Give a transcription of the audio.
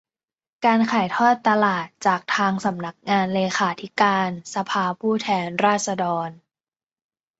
การขายทอดตลาดจากทางสำนักงานเลขาธิการสภาผู้แทนราษฎร